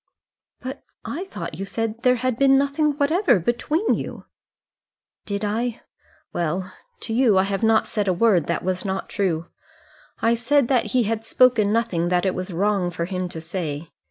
"But I thought you said there had been nothing whatever between you." "Did I? Well, to you I have not said a word that was not true. I said that he had spoken nothing that it was wrong for him to say.